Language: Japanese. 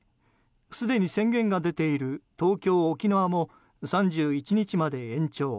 すでに宣言が出ている東京、沖縄も３１日までに延長。